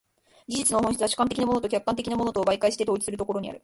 技術の本質は主観的なものと客観的なものとを媒介して統一するところにある。